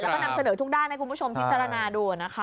แล้วก็นำเสนอทุกด้านให้คุณผู้ชมพิจารณาดูนะคะ